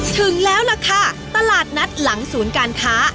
ถึงแล้วล่ะค่ะตลาดนัดหลังศูนย์การค้า